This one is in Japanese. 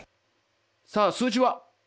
さあ数字は？